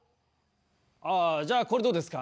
あぁじゃあこれどうですか？